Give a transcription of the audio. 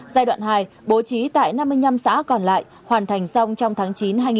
giai đoạn hai bố trí tại năm mươi năm xã còn lại hoàn thành xong trong tháng chín hai nghìn hai mươi